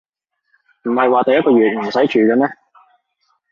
唔係話第一個月唔使住嘅咩